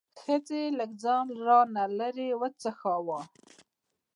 ښځې لږ ځان را نه لرې وڅښاوه.